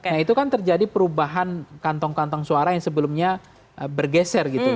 nah itu kan terjadi perubahan kantong kantong suara yang sebelumnya bergeser gitu